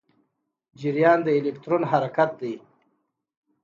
جریان د الکترون حرکت دی.